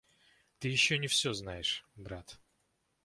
Ты еще не все знаешь, брат.